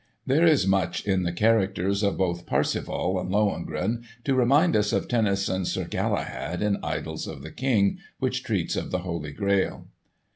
There is much in the characters of both Parsifal and Lohengrin to remind us of Tennyson's Sir Galahad, in "Idylls of the King," which treats of the Holy Grail.